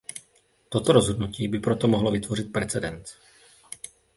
Toto rozhodnutí by proto mohlo vytvořit precedens.